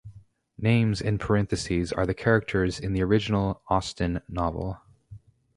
Names in parentheses are the characters in the original Austen novel.